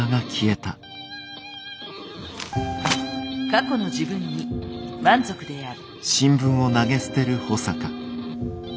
過去の自分に満足である。